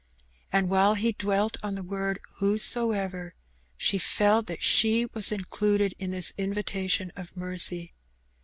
And while he dwelt on the word ''who soever,'^ she felt that she was incladed in this invitation of mercy.